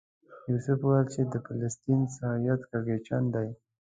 یوسف وویل چې د فلسطین وضعیت کړکېچن دی.